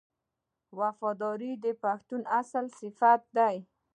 وفاداري د پښتون اصلي صفت دی.